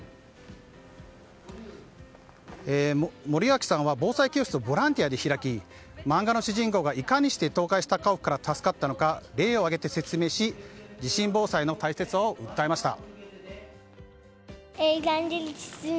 森脇さんは防災教室をボランティアで開き漫画の主人公がいかにして倒壊した家屋から助かったのか、例を挙げて説明し地震防災の大切さを訴えました。